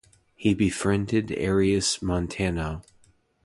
He befriended Arias Montano.